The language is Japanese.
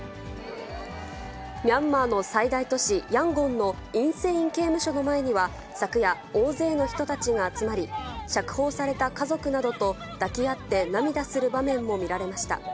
ミャンマーの最大都市ヤンゴンのインセイン刑務所の前には、昨夜、大勢の人たちが集まり、釈放された家族などと抱き合って涙する場面も見られました。